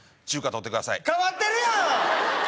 中華とってください変わってるやん！